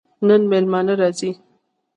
نن مېلمانه راځي